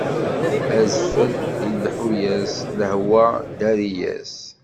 Adfel lḥu-as, lehwa ddari-as.